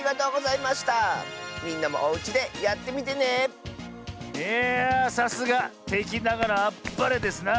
いやさすがてきながらあっぱれですな。